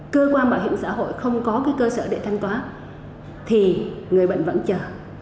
cơ quan bảo hiểm xã hội không có cơ sở để thanh toán thì người bệnh vẫn chờ